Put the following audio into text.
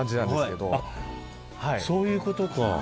そういうことか。